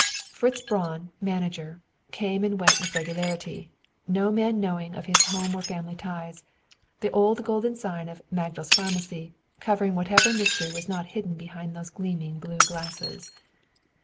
"Fritz Braun, Manager," came and went with regularity, no man knowing of his home or family ties; the old golden sign of "Magdal's Pharmacy" covering whatever mystery was not hidden behind those gleaming blue glasses.